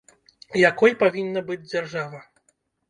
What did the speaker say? Якой павінна быць дзяржава?